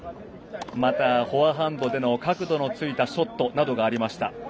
またフォアハンドでの角度のついたショットなどがありました。